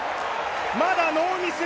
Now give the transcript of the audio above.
まだノーミス。